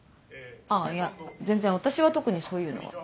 あぁいや全然私は特にそういうのは。